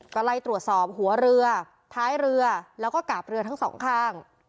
ก็ไล่ตรวจสอบหัวเรือท้ายเรือแล้วก็กาบเรือทั้งสองข้าง